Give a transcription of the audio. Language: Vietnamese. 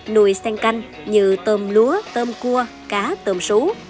nuôi sen canh như tôm lúa tôm cua cá tôm sú